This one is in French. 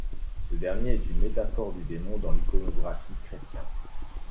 Ce dernier est une métaphore du démon dans l'iconographie chrétien.